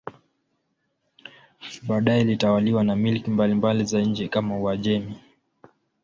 Baadaye ilitawaliwa na milki mbalimbali za nje kama Uajemi.